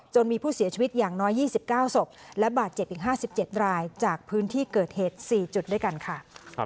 มีผู้เสียชีวิตอย่างน้อย๒๙ศพและบาดเจ็บอีก๕๗รายจากพื้นที่เกิดเหตุ๔จุดด้วยกันค่ะ